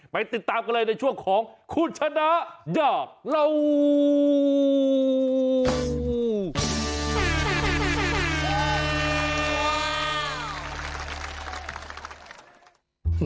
ไปติดตามกันเลยในช่วงของคุณชะดาดากราว